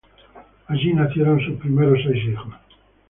Allí nacieron sus primeros seis hijos.